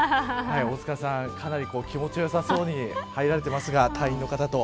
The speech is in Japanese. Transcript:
大塚さん、かなり気持ち良さそうに入られてますが隊員の方と。